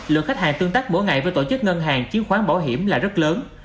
lượng khách hàng tương tác mỗi ngày với tổ chức ngân hàng chiến khoán bảo hiểm là rất lớn